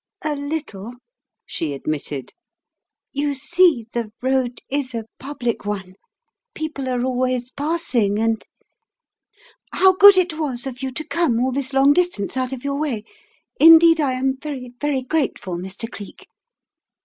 "A little," she admitted. "You see, the road is a public one. People are always passing, and How good it was of you to come all this long distance out of your way. Indeed, I am very, very grateful, Mr. Cleek."